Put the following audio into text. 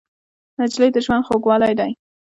نجلۍ د ژوند خوږوالی دی.